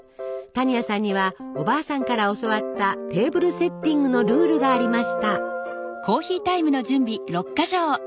多仁亜さんにはおばあさんから教わったテーブルセッティングのルールがありました。